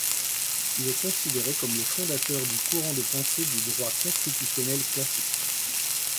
Il est considéré comme le fondateur du courant de pensée du droit constitutionnel classique.